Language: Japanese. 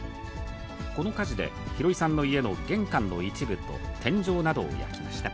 この火事で、廣井さんの家の玄関の一部と天井などを焼きました。